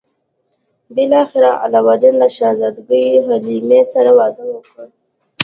بالاخره علاوالدین له شهزادګۍ حلیمې سره واده وکړ.